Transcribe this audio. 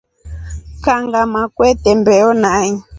Kangama kwete mbeho nai.